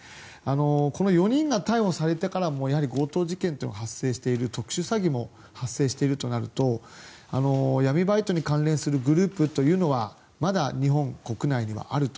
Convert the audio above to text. この４人が逮捕されてからも強盗事件というのは発生している特殊詐欺も発生しているとなると闇バイトに関連するグループというのはまだ日本国内にはあると。